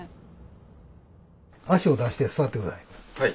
足を出して座って下さい。